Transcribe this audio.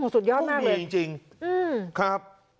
สุดยอดมากเลยจริงครับ